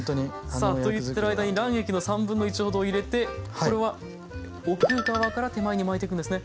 さあと言ってる間に卵液の1/3ほどを入れてこれは奥側から手前に巻いていくんですね。